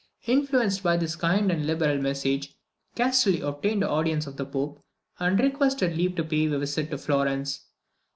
Influenced by this kind and liberal message, Castelli obtained an audience of the Pope, and requested leave to pay a visit to Florence.